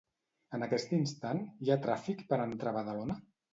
En aquest instant, hi ha tràfic per entrar a Badalona?